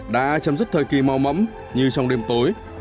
đã chấm dứt thời kỳ mau mẫm như trong đêm tối